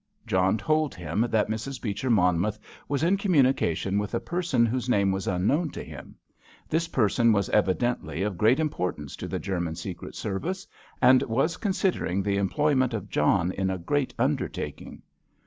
John told him that Mrs. Beecher Monmouth was in communication with a person whose name was unknown to him; this person was evidently of great importance to the German secret service, and was considering the employment of John in a great undertaking.